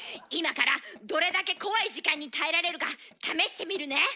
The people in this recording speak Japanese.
今からどれだけ怖い時間に耐えられるか試してみるね。